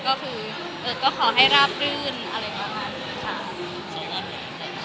ก็คือก็ขอให้ราบรื่นอะไรประมาณนี้ค่ะ